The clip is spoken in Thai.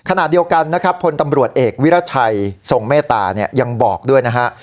ขณะเดียวกันนะครับพลตำรวจเอกวิรัชัยทรงเมตตาเนี่ยยังบอกด้วยนะฮะ